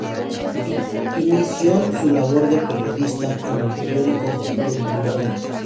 Inició su labor de periodista en el periódico Juventud Liberal.